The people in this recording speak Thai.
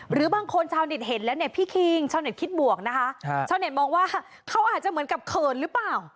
หรือบางคนชาวเน็ตเห็นแล้วเนี่ยพี่คิงชาวเน็ตคิดบวกนะคะชาวเน็ตมองว่าเขาอาจจะเหมือนกับเขินหรือเปล่า